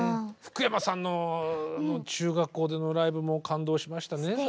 福山さんの中学校でのライブも感動しましたね。